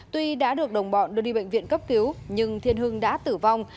tuy đã được đồng bọn đưa đi bệnh viện cấp cứu nhưng thiên hưng đã tử vong